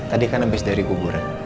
tadi kan habis dari kuburan